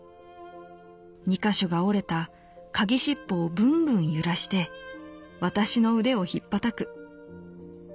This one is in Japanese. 二か所が折れたカギしっぽをぶんぶん揺らして私の腕をひっぱたく。